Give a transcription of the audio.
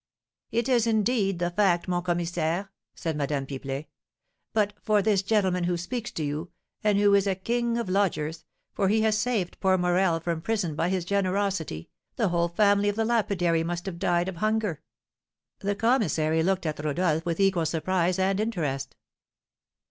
"It is, indeed, the fact, mon commissaire," said Madame Pipelet. "But for this gentleman who speaks to you, and who is a king of lodgers, for he has saved poor Morel from prison by his generosity, the whole family of the lapidary must have died of hunger." The commissary looked at Rodolph with equal surprise and interest.